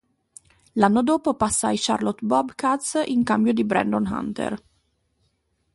L'anno dopo passa ai Charlotte Bobcats in cambio di Brandon Hunter.